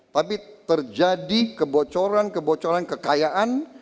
tapi terjadi kebocoran kebocoran kekayaan